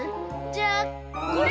じゃあこれ！